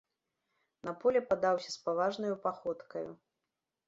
На поле падаўся спаважнаю паходкаю.